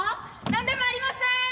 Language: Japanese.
何でもありません！